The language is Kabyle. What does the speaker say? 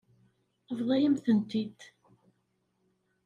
Tebḍa-yam-tent-id.